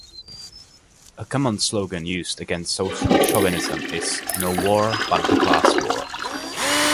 A common slogan used against social-chauvinism is "No War but the Class War".